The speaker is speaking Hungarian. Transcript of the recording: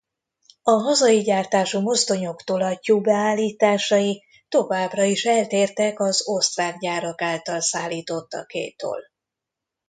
A hazai gyártású mozdonyok tolattyú-beállításai továbbra is eltértek az osztrák gyárak által szállítottakétól.